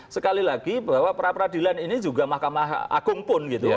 sekali lagi bahwa peradilan ini juga mahkamah agung pun gitu